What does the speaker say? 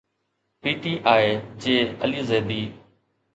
P T I جي علي زيدي